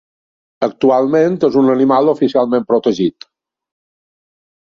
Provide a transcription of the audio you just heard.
Actualment és un animal oficialment protegit.